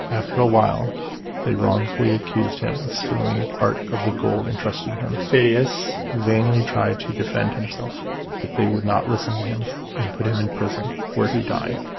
After a while they wrongfully accused him of stealing part of the gold intrusted to him. Phidias vainly tried to defend himself; but they would not listen to him, and put him in prison, where he died.